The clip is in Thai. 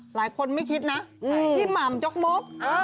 หลายคนไม่คิดนะทิมำจกมก